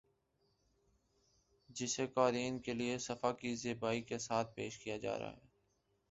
جسے قارئین کے لیے صفحہ کی زیبائی کے ساتھ پیش کیا جارہاہے